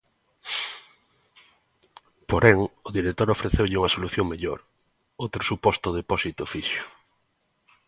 Porén, o director ofreceulle unha solución mellor, outro suposto depósito fixo.